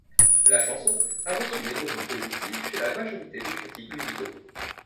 La chanson a reçu des revues positives chez la majorité des critiques musicaux.